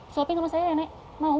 suapin sama saya ya nek mau